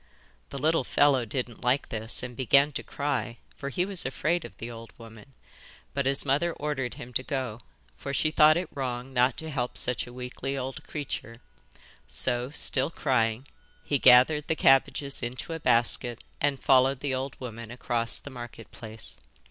The little fellow didn't like this, and began to cry, for he was afraid of the old woman, but his mother ordered him to go, for she thought it wrong not to help such a weakly old creature; so, still crying, he gathered the cabbages into a basket and followed the old woman across the Market Place.